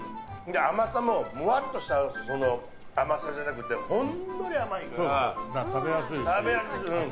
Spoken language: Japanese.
甘さももわっとした甘さじゃなくてほんのり甘いから食べやすい。